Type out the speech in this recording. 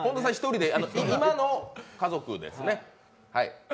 今の家族ですね。